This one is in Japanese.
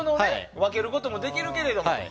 分けることもできるけれども。